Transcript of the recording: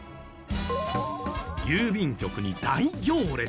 郵便局に大行列。